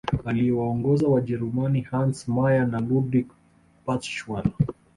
Aliyewaongoza Wajerumani Hans Meyer na Ludwig Purtscheller